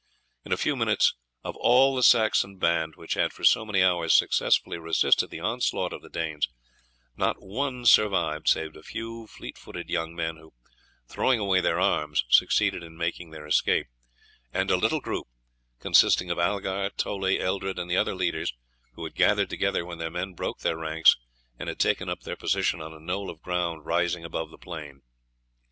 In a few minutes of all the Saxon band which had for so many hours successfully resisted the onslaught of the Danes, not one survived save a few fleet footed young men who, throwing away their arms, succeeded in making their escape, and a little group, consisting of Algar, Toley, Eldred, and the other leaders who had gathered together when their men broke their ranks and had taken up their position on a knoll of ground rising above the plain.